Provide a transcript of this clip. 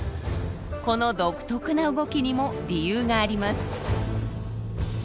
この独特な動きにも理由があります。